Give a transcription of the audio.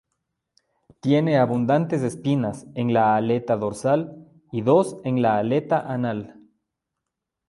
Tiene abundantes espinas en la aleta dorsal y dos en la aleta anal.